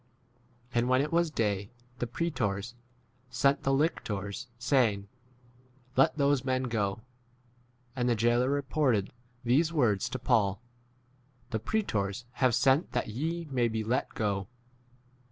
And when it was day, the pretors 8 sent the lie tors, 36 saying, Let those men go. And the jailor reported these words to Paul : The pretors s have sent that ye may be let go.